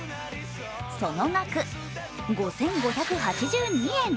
その額５５８２円。